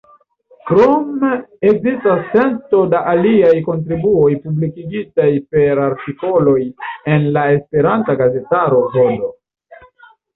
Krome ekzistas cento da aliaj kontribuoj publikigitaj per artikoloj en la Esperanta gazetaro, vd.